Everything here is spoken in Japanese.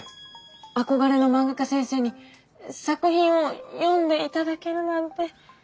憧れの漫画家先生に作品を読んで頂けるなんて。